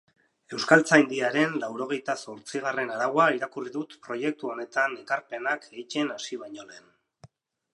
Euskaltzaindiaren laurogeita zortzigarren araua irakurri dut proiektu honetan ekarpenak egiten hasi baino lehen.